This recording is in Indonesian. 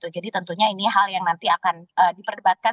jadi tentunya ini hal yang nanti akan diperdebatkan